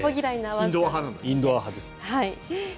インドア派ですね。